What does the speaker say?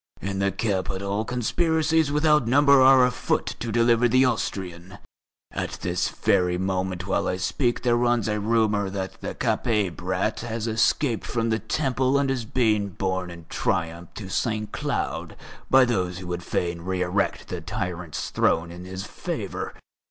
In the capital conspiracies without number are afoot to deliver the Austrian. At this very moment while I speak there runs a rumour that the Capet brat has escaped from the Temple and is being borne in triumph to Saint Cloud by those who would fain re erect the tyrant's throne in his favour.